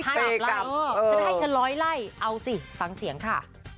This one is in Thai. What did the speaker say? ฉันให้ฉันร้อยไล่เอาสิฟังเสียงค่ะ